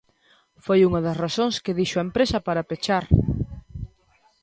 Foi unha das razóns que dixo a empresa para pechar.